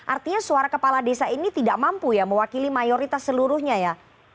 artinya suara kepala desa ini tidak mampu ya mewakili mayoritas seluruhnya ya